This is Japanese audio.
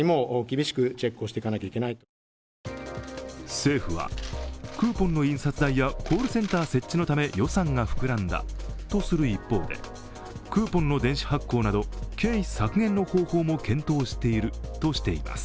政府はクーポンの印刷代やコールセンター設置のため予算が膨らんだとする一方で、クーポンの電子発行など経費削減の方法も検討しているとしています。